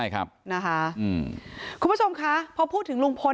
คุณผู้ชมคะพอพูดถึงลุงพล